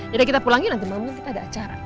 yaudah kita pulangin nanti mbak mirna kita ada acara